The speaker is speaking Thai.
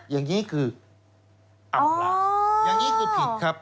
อย่างนี้คือเอาล่ะอย่างนี้คือผิดครับ